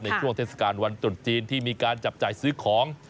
ช่วงเทศกาลวันตรุษจีนที่มีการจับจ่ายซื้อของ